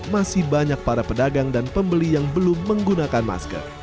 masih banyak para pedagang dan pembeli yang belum menggunakan masker